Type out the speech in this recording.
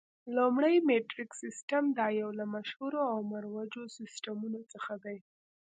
لومړی میټریک سیسټم، دا یو له مشهورو او مروجو سیسټمونو څخه دی.